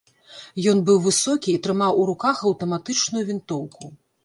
Ён быў высокі і трымаў у руках аўтаматычную вінтоўку.